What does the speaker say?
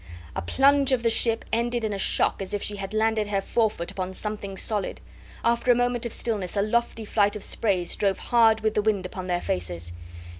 A plunge of the ship ended in a shock as if she had landed her forefoot upon something solid. After a moment of stillness a lofty flight of sprays drove hard with the wind upon their faces.